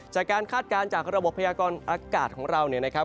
จากการคาดการณ์จากระบบพยากรอากาศของเรานะครับ